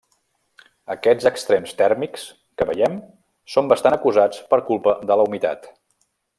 Aquests extrems tèrmics que veiem són bastant acusats per culpa de la humitat.